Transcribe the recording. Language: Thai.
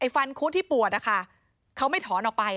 ฟันคุดที่ปวดนะคะเขาไม่ถอนออกไป